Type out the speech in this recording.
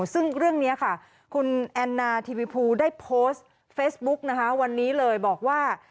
ซึ่งเรื่องนี้ค่ะคุณแอนนาทีวิภูได้โพสต์เฟซบุ๊กนะคะวันนี้เลยบอกว่า